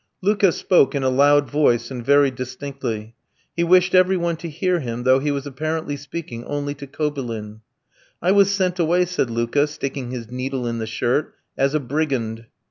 Luka spoke in a loud voice and very distinctly. He wished every one to hear him, though he was apparently speaking only to Kobylin. "I was sent away," said Luka, sticking his needle in the shirt, "as a brigand."